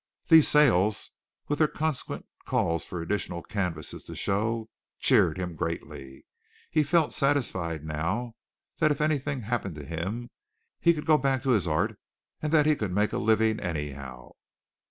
These sales with their consequent calls for additional canvases to show, cheered him greatly. He felt satisfied now that if anything happened to him he could go back to his art and that he could make a living, anyhow.